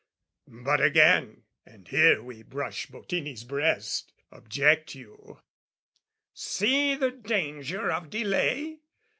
But Again and here we brush Bottini's breast Object you, "See the danger of delay!